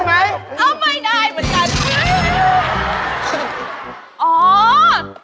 ไม่ได้เหมือนกัน